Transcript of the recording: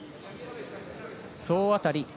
総当たり。